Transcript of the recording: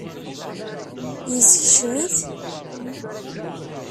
Yeskcem-it?